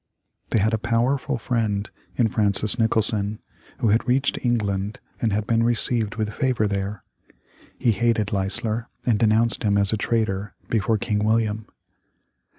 They had a powerful friend in Francis Nicholson, who had reached England and had been received with favor there. He hated Leisler, and denounced him as a traitor before King William.